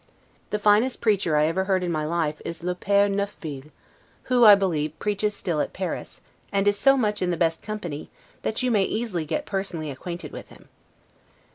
The finest preacher I ever heard in my life is le Pere Neufville, who, I believe, preaches still at Paris, and is so much in the best company, that you may easily get personally acquainted with him.